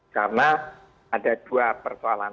karena ada dua persoalan